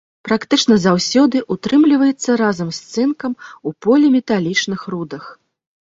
Практычна заўсёды ўтрымліваецца разам з цынкам у поліметалічных рудах.